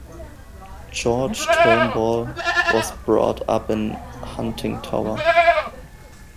George Turnbull was brought up in Huntingtower.